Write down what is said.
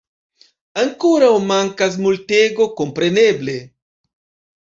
Ankorau mankas multego, kompreneble.